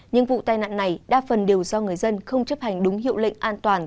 nhưng vụ tai nạn này đa phần đều do người dân không chấp hành đúng hiệu lệnh an toàn